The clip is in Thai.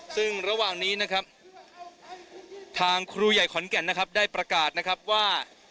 ซึ่งระหว่างนี้นะครับทางครูใหญ่ขอนแก่นนะครับได้ประกาศนะครับว่า